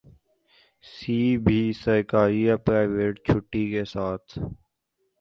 سی بھی سرکاری یا پرائیوٹ چھٹی کے ساتھ